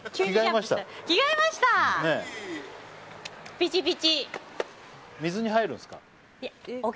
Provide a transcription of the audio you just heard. ピチピチ。